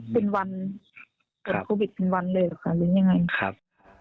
เป็นวันโควิดเป็นวันเลยหรือยังไงครับ